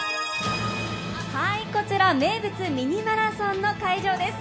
こちら名物「ミニマラソン」の会場です。